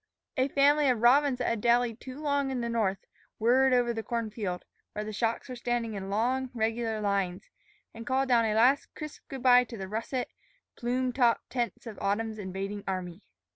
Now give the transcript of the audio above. A family of robins that had dallied too long in the north whirred over the corn field, where the shocks were standing in long, regular lines, and called down a last crisp good by to the russet, plume topped tents of autumn's invading army.